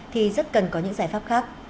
thì rất cần có những giải pháp khác